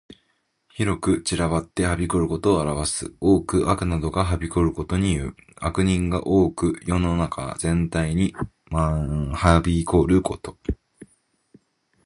広く散らばってはびこることを表す。多く悪などがはびこることにいう。悪人が多く世の中全体に蔓延ること。